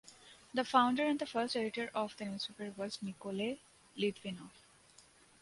The founder and first editor of the newspaper was Nikolay Litvinov.